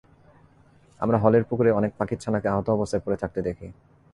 আমরা হলের পুকুরে অনেক পাখির ছানাকে আহত অবস্থায় পড়ে থাকতে দেখি।